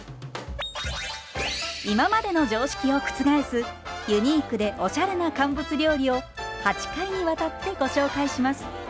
今までの常識を覆すユニークでおしゃれな乾物料理を８回にわたってご紹介します。